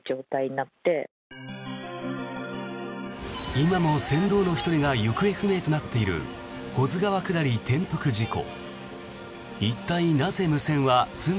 今も船頭の１人が行方不明となっている保津川下り転覆事故。